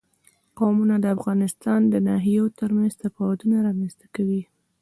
قومونه د افغانستان د ناحیو ترمنځ تفاوتونه رامنځ ته کوي.